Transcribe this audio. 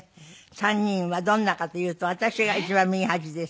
３人はどんなかというと私が一番右端です。